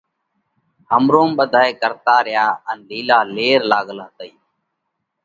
همروم ٻڌائي ڪرتات ريا ان لِيلا لير لاڳل هتئِي۔